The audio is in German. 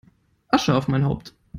Asche auf mein Haupt!